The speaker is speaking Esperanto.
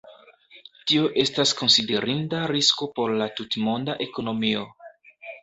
Tio estas konsiderinda risko por la tutmonda ekonomio.